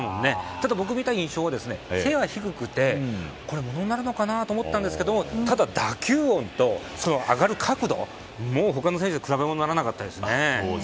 ただ、僕が見た印象は背が低くてこれ、ものになるのかなと思ったんですがただ、打球音と上がる角度、他の選手と比べ物にならなかったですね。